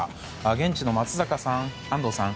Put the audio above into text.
現地の松坂さん、安藤さん